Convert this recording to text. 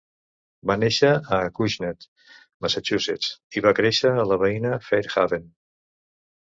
Va néixer a Acushnet, Massachusetts i va créixer a la veïna Fairhaven.